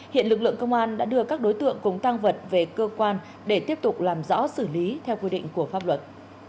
hiện lực lượng công an đã đưa các đối tượng cùng tăng vật về cơ quan để tiếp tục làm rõ xử lý theo quy định của pháp luật